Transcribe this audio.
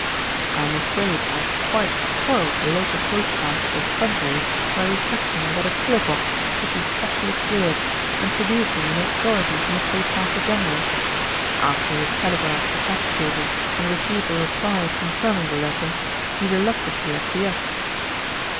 "I'm afraid I quite spoilt the local postmaster's Sunday by requesting that a pillar box should be specially cleared, and producing an authority from the Postmaster general. After he had telegraphed to head quarters and received a reply confirming the letter, he reluctantly acquiesced."